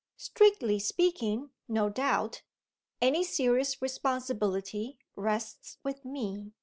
"Strictly speaking, no doubt, any serious responsibility rests with me.